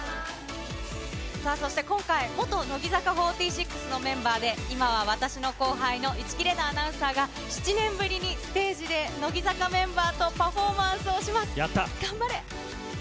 さあ、そして今回、元乃木坂４６のメンバーで、今は私の後輩の市來玲奈アナウンサーが、７年ぶりにステージで乃木坂メンバーとパフォーマンスをします。